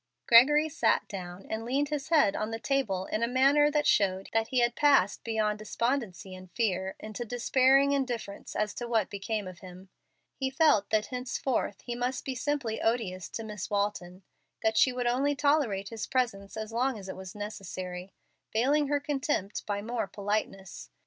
Gregory sat down and leaned his head on the table in a manner that showed he had passed beyond despondency and fear into despairing indifference as to what became of him. He felt that henceforth he must be simply odious to Miss Walton, that she would only tolerate his presence as long as it was necessary, veiling her contempt by more politeness.